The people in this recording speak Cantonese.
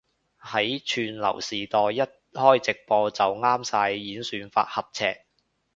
喺串流時代一開直播就啱晒演算法合尺